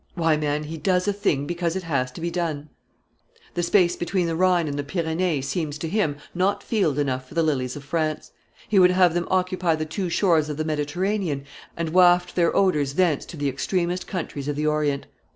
Why, man, he does a thing because it has to be done! The space between the Rhine and the Pyrenees seems to him not field enough for the lilies of France. He would have them occupy the two shores of the Mediterranean, and waft their odors thence to the extremest countries of the Orient.